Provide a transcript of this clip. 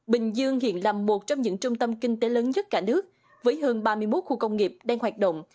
bình dương hiện là một trong những trung tâm kinh tế lớn nhất cả nước với hơn ba mươi một khu công nghiệp đang hoạt động